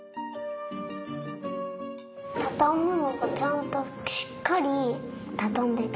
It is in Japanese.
たたむのがちゃんとしっかりたたんでた。